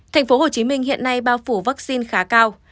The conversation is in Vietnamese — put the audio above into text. tp hcm hiện nay bao phủ vaccine khá cao